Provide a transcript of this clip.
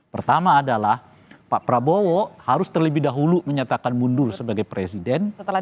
pertama adalah pak prabowo harus terlebih dahulu menyatakan mundur sebagai presiden